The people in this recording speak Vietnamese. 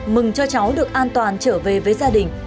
mừng cho cháu được an toàn trở về với gia đình